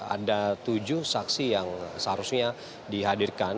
ada tujuh saksi yang seharusnya dihadirkan